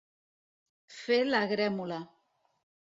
Fer la grémola.